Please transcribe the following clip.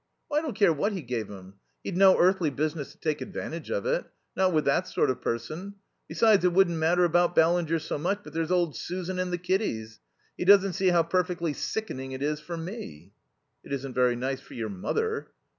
"I don't care what he gave him. He'd no earthly business to take advantage of it. Not with that sort of person. Besides, it wouldn't matter about Ballinger so much, but there's old Susan and the kiddies.... He doesn't see how perfectly sickening it is for me." "It isn't very nice for your mother."